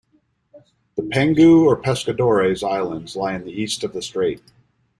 The Penghu or Pescadores Islands lie in the east of the strait.